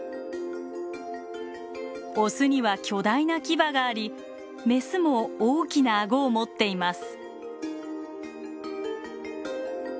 オスには巨大なキバがありメスも大きな顎を持っています。